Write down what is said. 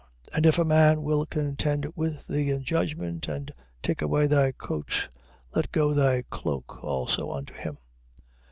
And if a man will contend with thee in judgment, and take away thy coat, let go thy cloak also unto him.